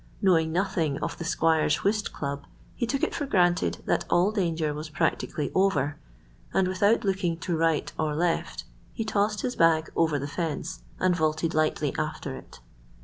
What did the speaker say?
Knowing nothing of the squire's whist club, he took it for granted that all danger was practically over, and without looking to right or left, he tossed his bag over the fence and vaulted lightly after it.